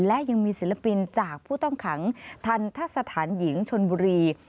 และยังมีศิลปินจากผู้ต้องขังทันทะสถานหญิงชนบุรี